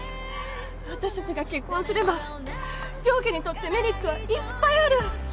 私たちが結婚すれば両家にとってメリットはいっぱいある！